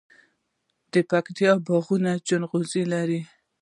د پکتیکا باغونه جلغوزي لري.